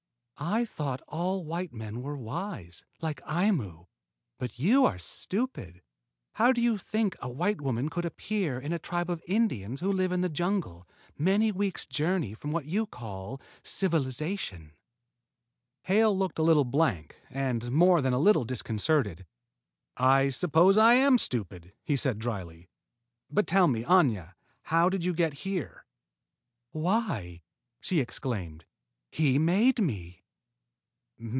"I thought all white men were wise, like Aimu. But you are stupid. How do you think a white woman could appear in a tribe of Indians who live in the jungle, many weeks' journey from what you call civilization?" Hale looked a little blank and more than a little disconcerted. "I suppose I am stupid," he said dryly. "But tell me, Aña, how did you get here?" "Why," she exclaimed, "he made me!"